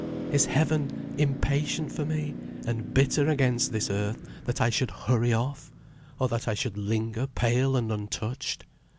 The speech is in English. Is heaven impatient for me, and bitter against this earth, that I should hurry off, or that I should linger pale and untouched?